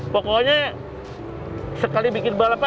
pokoknya sekali bikin balapan